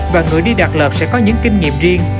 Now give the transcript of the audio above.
và người đi đặt lợp sẽ có những kinh nghiệm riêng